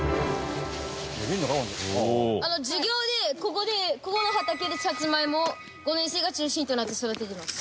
授業でここでここの畑でサツマイモを５年生が中心となって育ててます。